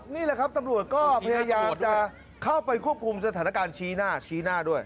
นี่แหละครับตำรวจก็พยายามจะเข้าไปควบคุมสถานการณ์ชี้หน้าชี้หน้าด้วย